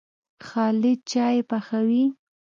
خالد چايي پخوي.